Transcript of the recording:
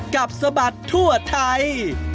กับสบัติทั่วไทย